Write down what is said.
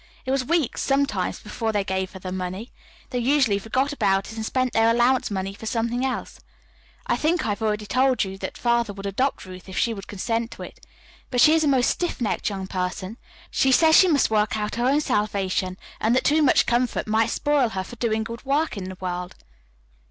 It was weeks, sometimes, before they gave her the money. They usually forgot about it and spent their allowance money for something else. I think I have already told you that Father would adopt Ruth if she would consent to it. But she is a most stiff necked young person. She says she must work out her own salvation, and that too much comfort might spoil her for doing good work in the world."